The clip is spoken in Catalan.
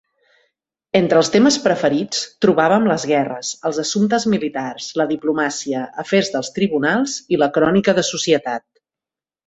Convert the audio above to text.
Entre els temes preferits trobàvem les guerres, els assumptes militars, la diplomàcia, afers dels tribunals i la crònica de societat.